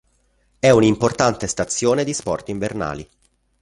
È un'importante stazione di sport invernali.